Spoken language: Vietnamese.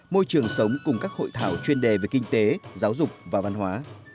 môi trường sống cùng các hội thảo chuyên đề về kinh tế giáo dục và văn hóa